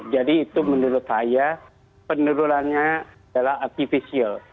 jadi itu menurut saya penurunannya adalah artificial